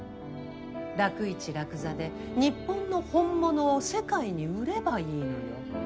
楽市楽座で日本の本物を世界に売ればいいのよ。